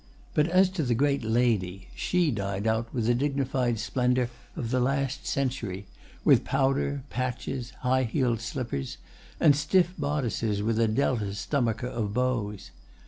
But as to the great lady, she died out with the dignified splendor of the last century, with powder, patches, high heeled slippers, and stiff bodices with a delta stomacher of bows.